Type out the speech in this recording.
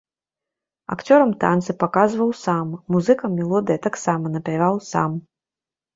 Акцёрам танцы паказваў сам, музыкам мелодыя таксама напяваў сам.